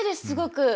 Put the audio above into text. すごく。